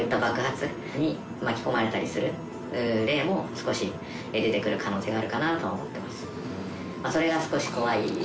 少し出てくる可能性があるかなとは思ってます。